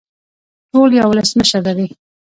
ټول یو ولسمشر لري